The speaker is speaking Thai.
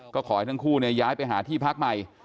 ก็ขอให้ทั้งคู่ย้ายไปหาที่พักใหม่